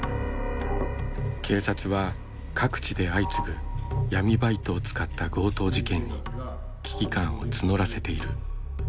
警察は各地で相次ぐ闇バイトを使った強盗事件に危機感を募らせている。